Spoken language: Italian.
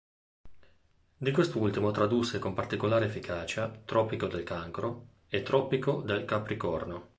Di quest'ultimo tradusse con particolare efficacia "Tropico del Cancro" e "Tropico del Capricorno".